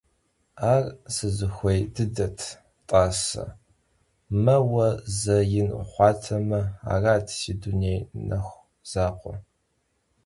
Ar sızıxuêy dıdet, t'ase, meue ze yin vuxhuame, arat, si dunêy nexu zakhue.